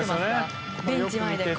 ベンチ前で。